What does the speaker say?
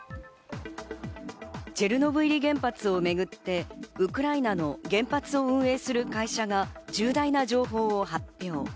チェルノブイリ原発をめぐってウクライナの原発を運営する会社が重大な情報を発表。